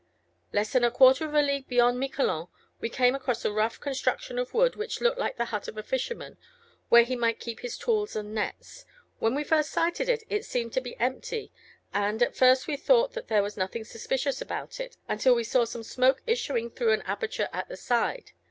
"Less than a quarter of a league beyond Miquelon, we came across a rough construction of wood, which looked like the hut of a fisherman, where he might keep his tools and nets. When we first sighted it, it seemed to be empty, and at first we thought that there was nothing suspicious about it, until we saw some smoke issuing through an aperture at the side.